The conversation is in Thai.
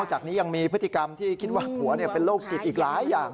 จากนี้ยังมีพฤติกรรมที่คิดว่าผัวเป็นโรคจิตอีกหลายอย่าง